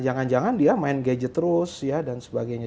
jangan jangan dia main gadget terus ya dan sebagainya